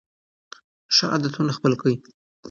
ښه عادتونه خپل کړئ.